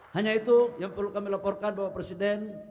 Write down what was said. hanya itu yang perlu kami laporkan bapak presiden